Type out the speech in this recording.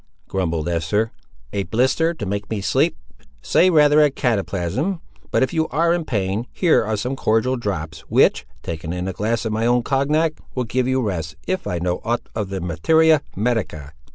grumbled Esther; "a blister to make me sleep?" "Say rather a cataplasm. But if you are in pain, here are some cordial drops, which, taken in a glass of my own cogniac, will give you rest, if I know aught of the materia medica."